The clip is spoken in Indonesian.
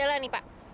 neng nanti ya ka